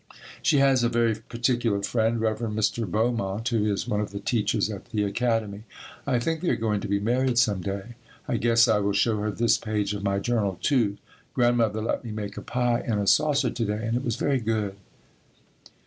She has a very particular friend, Rev. Mr. Beaumont, who is one of the teachers at the Academy. I think they are going to be married some day. I guess I will show her this page of my journal, too. Grandmother let me make a pie in a saucer to day and it was very good.